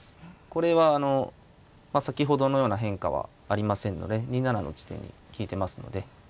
これは先ほどのような変化はありませんので２七の地点に利いてますので。